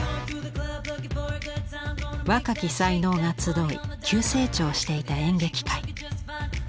若き才能が集い急成長していた演劇界。